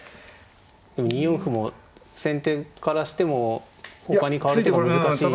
でも２四歩も先手からしてもほかにかわる手が難しい。